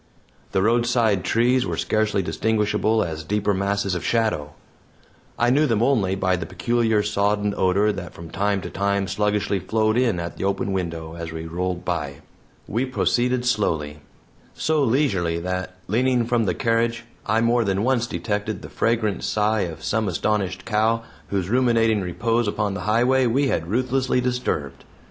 The roadside trees were scarcely distinguishable as deeper masses of shadow; I knew them only by the peculiar sodden odor that from time to time sluggishly flowed in at the open window as we rolled by. We proceeded slowly; so leisurely that, leaning from the carriage, I more than once detected the fragrant sigh of some astonished cow, whose ruminating repose upon the highway we had ruthlessly disturbed.